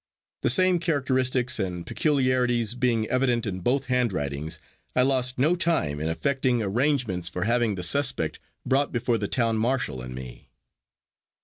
The same characteristics and peculiarities being evident in both handwritings, I lost no time in effecting arrangements for having the suspect brought before the town marshal and me.